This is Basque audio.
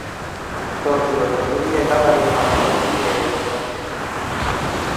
Zortzi boto zuri eta baliogabeko bi ere izan ziren.